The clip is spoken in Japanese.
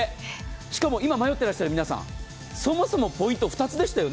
しかも、今迷っていらっしゃる皆さん、そもそもポイント２つでしたよね？